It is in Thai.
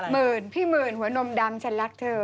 หมื่นพี่หมื่นหัวนมดำฉันรักเธอ